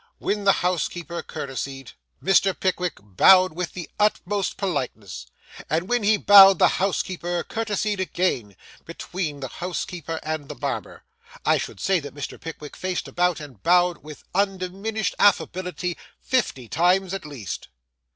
When the housekeeper courtesied, Mr. Pickwick bowed with the utmost politeness, and when he bowed, the housekeeper courtesied again; between the housekeeper and the barber, I should say that Mr. Pickwick faced about and bowed with undiminished affability fifty times at least.